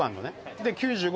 で、９５。